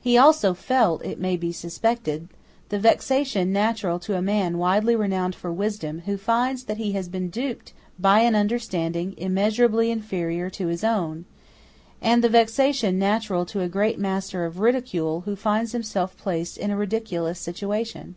He also felt, it may be suspected, the vexation natural to a man widely renowned for wisdom, who finds that he has been duped by an understanding immeasurably inferior to his own, and the vexation natural to a great master of ridicule, who finds himself placed in a ridiculous situation.